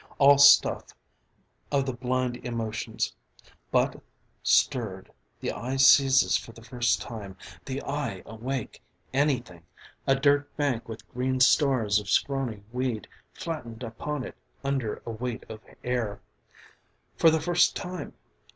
All stuff of the blind emotions. But stirred, the eye seizes for the first time The eye awake! anything, a dirt bank with green stars of scrawny weed flattened upon it under a weight of air For the first time!